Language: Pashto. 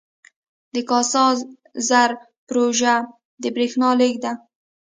د کاسا زر پروژه د بریښنا لیږد ده